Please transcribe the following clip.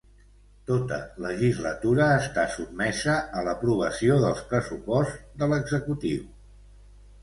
Tota legislatura està sotmesa a l'aprovació dels pressuposts de l'executiu.